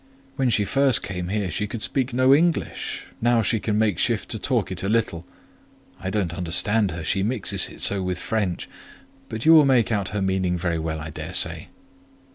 When she first came here she could speak no English; now she can make shift to talk it a little: I don't understand her, she mixes it so with French; but you will make out her meaning very well, I dare say."